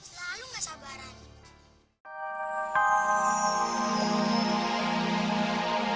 selalu gak sabarannya